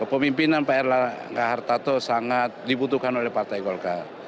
pemimpinan pak erlangga hartato sangat dibutuhkan oleh partai golkar